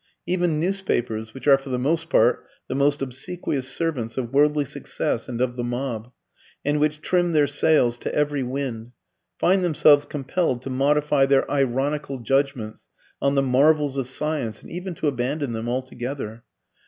Even newspapers, which are for the most part the most obsequious servants of worldly success and of the mob, and which trim their sails to every wind, find themselves compelled to modify their ironical judgements on the "marvels" of science and even to abandon them altogether.